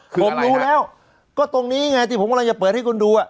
ผมรู้แล้วก็ตรงนี้ไงที่ผมกำลังจะเปิดให้คุณดู